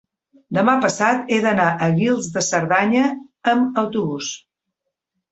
demà passat he d'anar a Guils de Cerdanya amb autobús.